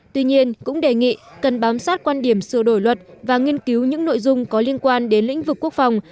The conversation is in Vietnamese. tuy nhiên cũng đề nghị cần bám sát quan điểm sửa đổi luật và nghiên cứu những nội dung có liên quan đến lĩnh vực quốc phòng